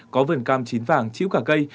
có vườn cam chín vàng chĩu cả cây